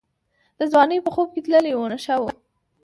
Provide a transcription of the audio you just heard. د ځوانۍ په خوب کي تللې وه نشه وه